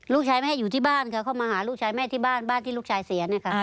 ลูกชายไม่ให้อยู่ที่บ้านค่ะเข้ามาหาลูกชายแม่ที่บ้านบ้านที่ลูกชายเสียเนี่ยค่ะ